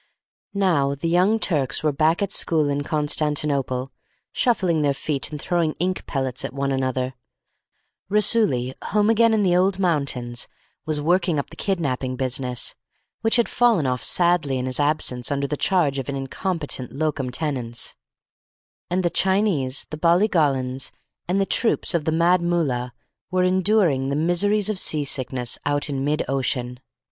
Now the Young Turks were back at school in Constantinople, shuffling their feet and throwing ink pellets at one another; Raisuli, home again in the old mountains, was working up the kidnapping business, which had fallen off sadly in his absence under the charge of an incompetent locum tenens; and the Chinese, the Bollygollans, and the troops of the Mad Mullah were enduring the miseries of sea sickness out in mid ocean.